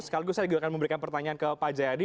sekaligus saya juga akan memberikan pertanyaan ke pak jayadi